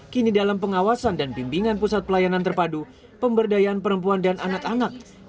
kini dalam pengawasan dan bimbingan pusat pelayanan terpadu pemberdayaan perempuan dan anak anak